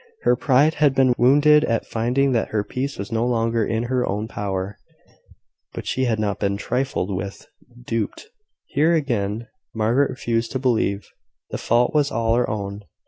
Her pride had been wounded at finding that her peace was no longer in her own power; but she had not been trifled with duped. Here again Margaret refused to believe. The fault was all her own.